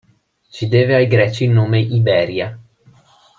Si deve ai Greci il nome "Iberia".